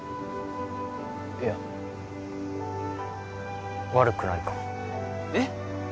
いや悪くないかもえっ？